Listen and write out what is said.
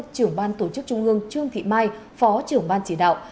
trưởng ban tổ chức trung ương trương thị mai phó trưởng ban chỉ đạo